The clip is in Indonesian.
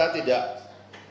seperti apa sih pak